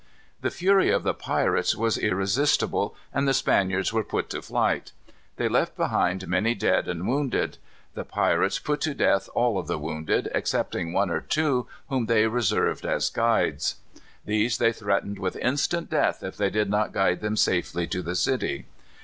The fury of the pirates was irresistible, and the Spaniards were put to flight. They left behind many dead and wounded. The pirates put to death all of the wounded, excepting one or two whom they reserved as guides. These they threatened with instant death if they did not guide them safely to the city.